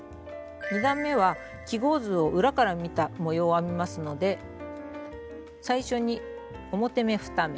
２段めは記号図を裏から見た模様を編みますので最初に表目２目。